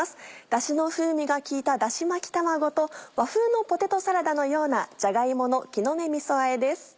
だしの風味が利いた「だし巻き卵」と和風のポテトサラダのような「じゃが芋の木の芽みそあえ」です。